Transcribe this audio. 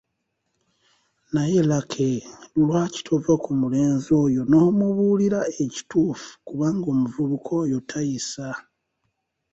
Naye Lucky, lwaki tova ku mulenzi oyo n’omubuulira ekituufu kubanga omuvubuka oyo tayisa!